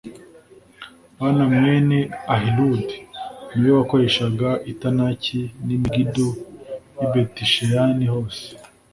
Bāna mwene Ahiludi ni we wakoreshaga i Tānaki n’i Megido n’i Betisheyani hose